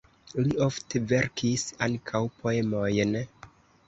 Li ofte verkis ankaŭ poemojn.